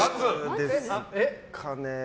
ですかね。